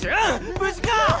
無事か！？